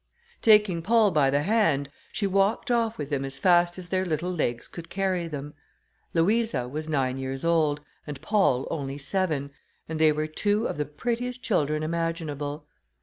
Taking Paul by the hand, she walked off with him as fast as their little legs could carry them. Louisa was nine years old, and Paul only seven, and they were two of the prettiest children imaginable.